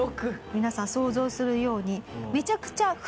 皆さん想像するように。